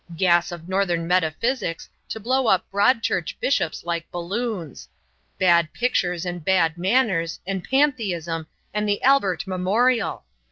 Gas of northern metaphysics to blow up Broad Church bishops like balloons. Bad pictures and bad manners and pantheism and the Albert Memorial.